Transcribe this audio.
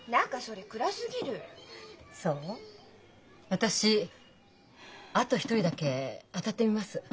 私あと一人だけ当たってみます。